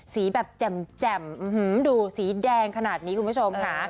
สีแบบแจ่มดูสีแดงขนาดนี้คุณผู้ชมค่ะ